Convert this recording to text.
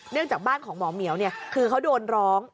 เนื่องจากบ้านของหมอเมี๊ยวเนี่ยคือเขาโดนร้อง